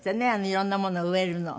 いろんなもの植えるの。